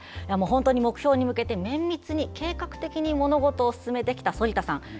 本当に目標に向けて綿密に計画的に物事を進めてきた反田さん